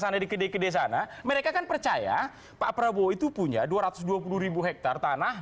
sana di gede gede sana mereka kan percaya pak prabowo itu punya dua ratus dua puluh ribu hektare tanah